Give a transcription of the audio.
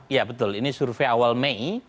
ya betul ini survei awal mei